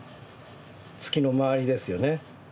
月の周りですよね。